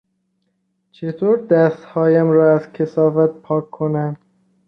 چطور دستهایم را از کثافت پاک کنم؟